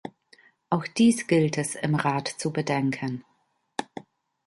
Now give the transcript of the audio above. Auch dies gilt es im Rat zu bedenken.